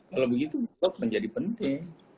kalau begitu stok menjadi penting